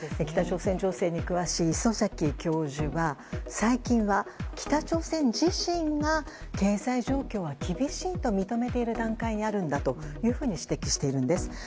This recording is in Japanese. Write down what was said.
北朝鮮情勢に詳しい磯崎教授は最近は北朝鮮自身が経済状況は厳しいと認めている段階にあるんだというふうに指摘しているんです。